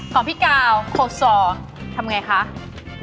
โค้ดส่อทำไงคะ